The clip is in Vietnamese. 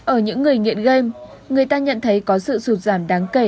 ở những người nghiện game người ta nhận thấy có sự sụt giảm đáng kể